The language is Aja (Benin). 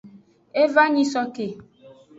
E va nyisoke.